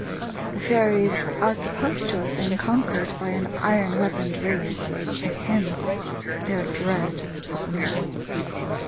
The fairies are supposed to have been conquered by an iron weaponed race, and hence their dread of the metal.